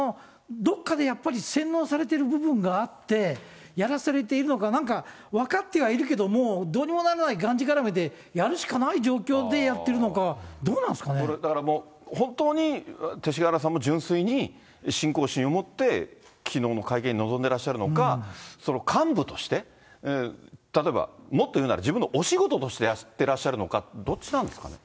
どこかでやっぱり、洗脳されてる部分があって、やらされているのか、なんか分かってはいるけども、どうにもならないがんじがらめでやるしかない状況でやってるのか、だからもう、本当に勅使河原さんも純粋に信仰心を持って、きのうの会見に臨んでらっしゃるのか、幹部として、例えばもっと言うなら自分のお仕事としてやってらっしゃるのか、どっちなんですかね。